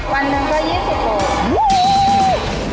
วันหนึ่งก็๒๐กิโล